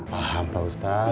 paham pak ustadz